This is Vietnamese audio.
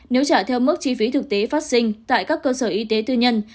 nếu trả theo mức chi phí thực tế phát sinh tại các cơ sở y tế tư nhân